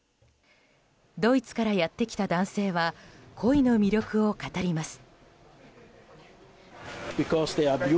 ドイツからやってきた男性はコイの魅力を語ります。